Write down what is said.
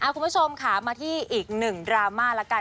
คุณผู้ชมค่ะมาที่อีกหนึ่งดราม่าแล้วกัน